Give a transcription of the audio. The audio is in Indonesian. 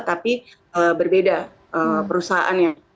tapi berbeda perusahaannya